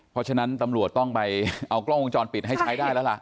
เพราะฉะนั้นตำรวจต้องไปเอากล้องวงจรปิดให้ใช้ได้แล้วล่ะ